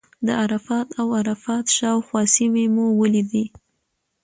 د عرفات او عرفات شاوخوا سیمې مو ولیدې.